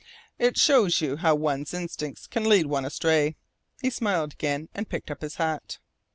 It shows you how one's instincts can lead one astray," he smiled again, and picked up his hat.